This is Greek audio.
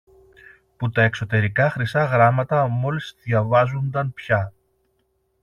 που τα εξωτερικά χρυσά γράμματα μόλις διαβάζουνταν πια.